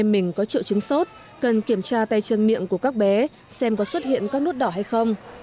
mình có triệu chứng sốt cần kiểm tra tay chân miệng của các bé xem có xuất hiện các nốt đỏ hay không